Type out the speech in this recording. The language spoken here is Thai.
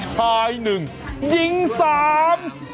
ใช้หนึ่งจึงสาม